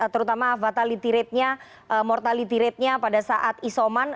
terutama fatality ratenya mortality ratenya pada saat isoman